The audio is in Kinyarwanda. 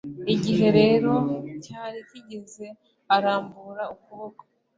igihe rero cyari kigeze, arambura ukuboko